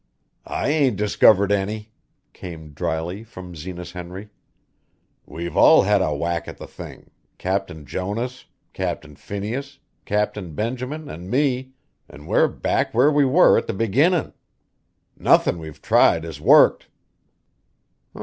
"I ain't discovered any," came dryly from Zenas Henry. "We've all had a whack at the thing Captain Jonas, Captain Phineas, Captain Benjamin, an' me an' we're back where we were at the beginnin'. Nothin' we've tried has worked."